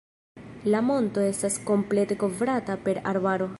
La monto estas komplete kovrata per arbaro.